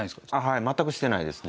はい全くしてないですね。